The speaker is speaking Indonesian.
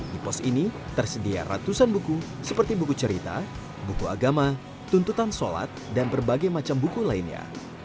di pos ini tersedia ratusan buku seperti buku cerita buku agama tuntutan sholat dan berbagai macam buku lainnya